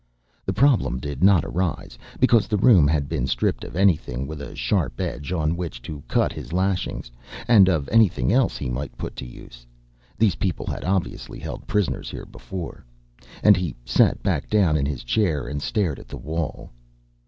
The problem did not arise, because the room had been stripped of anything with a sharp edge on which to cut his lashings, and of anything else he might put to use. These people had obviously held prisoners here before. He sat back down in his chair, and stared at the wall.